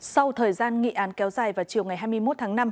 sau thời gian nghị án kéo dài vào chiều ngày hai mươi một tháng năm